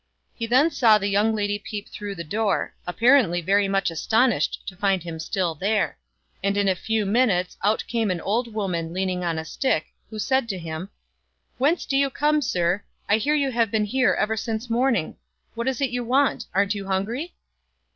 He then saw the young lady peep through the door, apparently very much astonished to find him still there ; and in a few minutes out came an old woman leaning on a stick, who said to him, " Whence do you come, Sir ? I hear you have been here ever since morning. What is it you want? Aren't you hungry?"